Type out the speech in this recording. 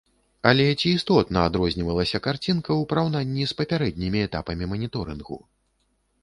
Але ці істотна адрознівалася карцінка, у параўнанні з папярэднімі этапамі маніторынгу?